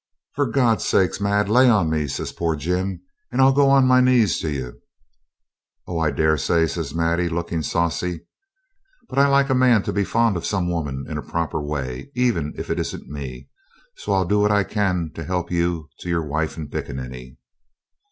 'For God's sake, Mad, lay me on!' says poor Jim, 'and I'll go on my knees to you.' 'Oh! I daresay,' says Maddie, looking saucy, 'but I like a man to be fond of some woman in a proper way, even if it isn't me; so I'll do what I can to help you to your wife and pickaninny.'